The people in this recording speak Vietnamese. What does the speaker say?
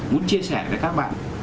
muốn chia sẻ với các bạn